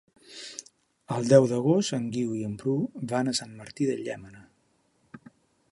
El deu d'agost en Guiu i en Bru van a Sant Martí de Llémena.